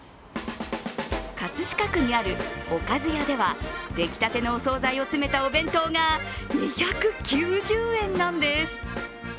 葛飾区にあるおかず屋では、できたてのお総菜を詰めたお弁当が２９０円なんです。